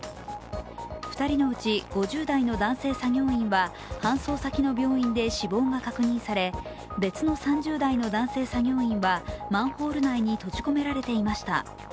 ２人のうち５０代の男性作業員は搬送先の病院で死亡が確認され、別の３０代の男性作業員はマンホール内に閉じ込められていました。